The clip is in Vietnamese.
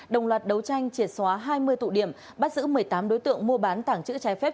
đồng loạt đấu tranh triệt xóa hai mươi tụ điểm bắt giữ một mươi tám đối tượng mua bán tảng chữ trái phép